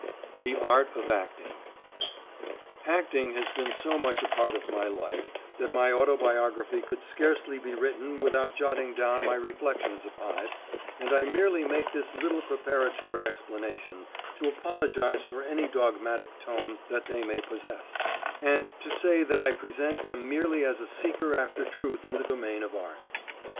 THE ART OF ACTING Acting has been so much a part of my life that my autobiography could scarcely be written without jotting down my reflections upon it, and I merely make this little preparatory explanation to apologise for any dogmatic tone that they may possess, and to say that I present them merely as a seeker after truth in the domain of art.